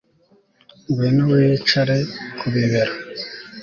Ngwino wicare ku bibero